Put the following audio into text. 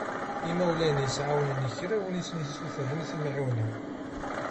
Imawlan-is εawnen kra w'i sen-yessutren timεiwna.